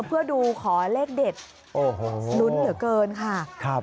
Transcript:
เพื่อดูขอเลขเด็ดโอ้โหลุ้นเหลือเกินค่ะ